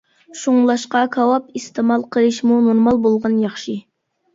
شۇڭلاشقا كاۋاپ ئىستېمال قىلىشمۇ نورمال بولغان ياخشى.